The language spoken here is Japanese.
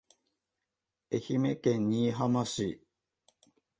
愛媛県新居浜市